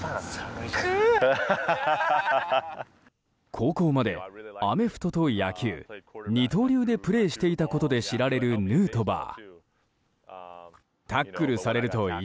高校までアメフトと野球二刀流でプレーしていたことで知られるヌートバー。